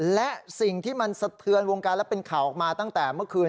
และสิ่งที่มันสะเทือนวงการและเป็นข่าวออกมาตั้งแต่เมื่อคืน